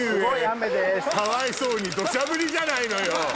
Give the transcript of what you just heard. かわいそうに土砂降りじゃないのよ。